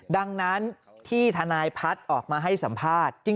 ดังนั้นที่ทนายพัฒน์ออกมาให้สัมภาษณ์